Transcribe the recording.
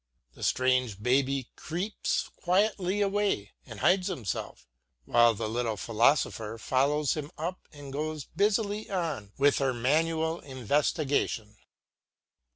The strange baby creeps quietly away and hides himself, while the little philosopher follows him up and goes busily on with her manual investigation.